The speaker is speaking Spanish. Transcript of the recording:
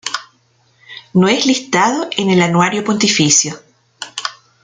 No es listado en el Anuario Pontificio.